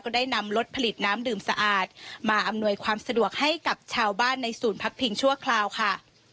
ได้นำรถผลิตน้ำดื่มสะอาดมาอำนวยความสะดวกให้กับชาวบ้านในศูนย์พักพิงชั่วคราวค่ะ